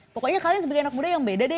pokoknya kalian sebagai anak muda yang beda deh